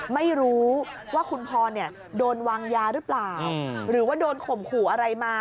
ไม่รู้ว่าคุณพรโดนวางยาหรือเปล่าหรือว่าโดนข่มขู่อะไรมา